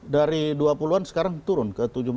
dari dua puluh an sekarang turun ke tujuh belas